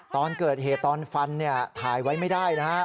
ตอนเกิดเหตุตอนฟันถ่ายไว้ไม่ได้นะฮะ